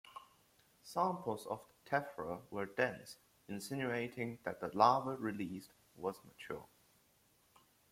Samples of the tephra were dense, insinuating that the lava released was mature.